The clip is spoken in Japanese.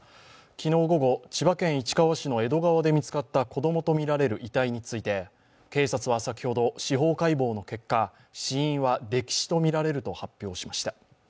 昨日午後、千葉県市川市の江戸川で見つかった子供とみられる遺体について警察は先ほど、司法解剖の結果死因は溺死とみられると発表しました。